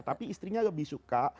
tapi istrinya lebih suka